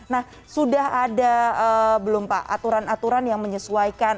nah sudah ada belum pak aturan aturan yang menyesuaikan